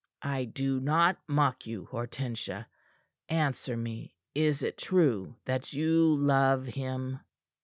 "I do not mock you, Hortensia. Answer me! Is it true that you love him?"